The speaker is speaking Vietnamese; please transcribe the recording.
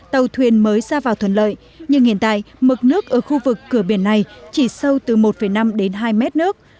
tàu thuyền mới ra vào thuận lợi nhưng hiện tại mực nước ở khu vực cửa biển này chỉ sâu từ một năm đến hai mét nước